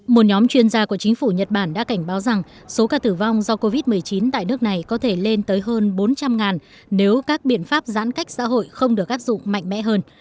một nhóm chuyên gia của chính phủ nhật bản đã cảnh báo rằng số ca tử vong do covid một mươi chín tại nước này có thể lên tới hơn bốn trăm linh nếu các biện pháp giãn cách xã hội không được áp dụng mạnh mẽ hơn